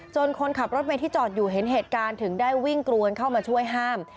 คนขับรถเมย์ที่จอดอยู่เห็นเหตุการณ์ถึงได้วิ่งกรวนเข้ามาช่วยห้าม